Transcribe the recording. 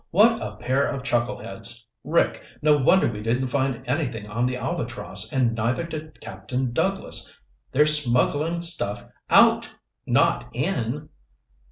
"What a pair of chuckleheads! Rick, no wonder we didn't find anything on the Albatross and neither did Captain Douglas! They're smuggling stuff out! Not in!"